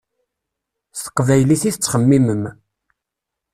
S teqbaylit i tettxemmimem.